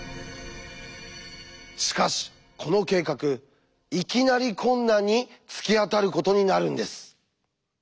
しかしこの計画いきなり困難に突き当たることになるんです。